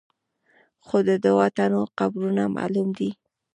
خو د دوو تنو قبرونه معلوم دي.